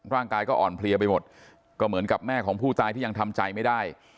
ร่างกายก็อ่อนเพลียไปหมดก็เหมือนกับแม่ของผู้ตายที่ยังทำใจไม่ได้